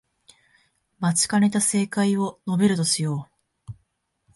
待ちかねた正解を述べるとしよう